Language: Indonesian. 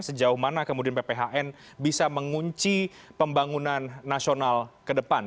sejauh mana kemudian pphn bisa mengunci pembangunan nasional ke depan